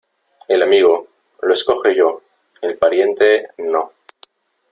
El amigo, lo escojo yo, el pariente, no.